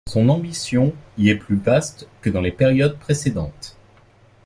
Son ambition y est plus vaste que dans les périodes précédentes.